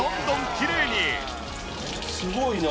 すごいな。